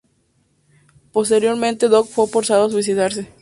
Posteriormente Dong fue forzado a suicidarse.